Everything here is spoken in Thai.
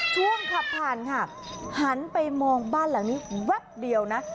ขับผ่านค่ะหันไปมองบ้านหลังนี้แวบเดียวนะ